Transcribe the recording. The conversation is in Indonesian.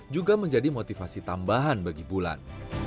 juga menjadi motivasi tambahan bagi bulan